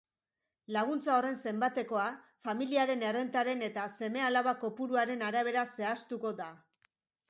Laguntza horren zenbatekoa familiaren errentaren eta seme-alaba kopuruaren arabera zehaztuko da.